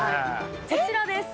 こちらです。